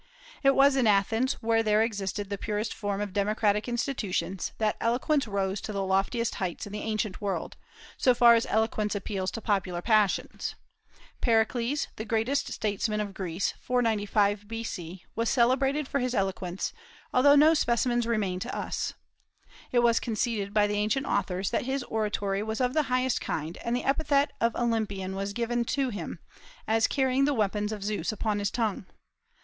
It was in Athens, where there existed the purest form of democratic institutions, that eloquence rose to the loftiest heights in the ancient world, so far as eloquence appeals to popular passions. Pericles, the greatest statesman of Greece, 495 B.C., was celebrated for his eloquence, although no specimens remain to us. It was conceded by the ancient authors that his oratory was of the highest kind, and the epithet of "Olympian" was given him, as carrying the weapons of Zeus upon his tongue.